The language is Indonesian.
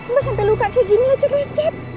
mbak sampe luka kayak gini lecet lecet